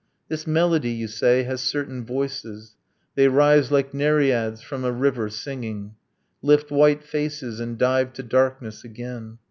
This melody, you say, has certain voices They rise like nereids from a river, singing, Lift white faces, and dive to darkness again.